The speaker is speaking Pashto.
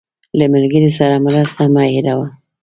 له ملګري سره مرسته مه هېروه.